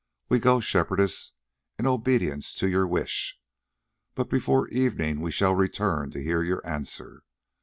"We go, Shepherdess, in obedience to your wish, but before evening we shall return to hear your answer.